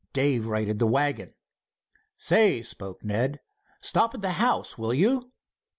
Dave righted the wagon. "Say," spoke Ned, "stop at the house, will you?"